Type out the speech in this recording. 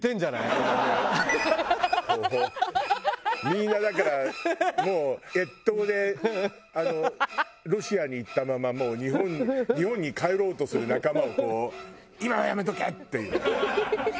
みんなだからもう越冬でロシアに行ったまま日本に帰ろうとする仲間をこう今はやめとけ！っていうね。